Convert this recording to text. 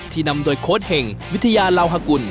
ที่นำโดยโคสเฮงวิทยาลาวฮกุล